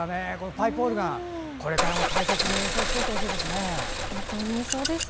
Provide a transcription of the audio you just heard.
パイプオルガン、これからも大切に演奏していってほしいです。